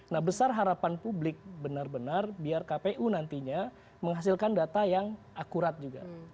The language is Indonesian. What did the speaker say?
nah besar harapan publik benar benar biar kpu nantinya menghasilkan data yang akurat juga